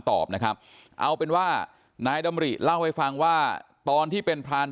ตอบนะครับเอาเป็นว่านายดำริเล่าให้ฟังว่าตอนที่เป็นพราน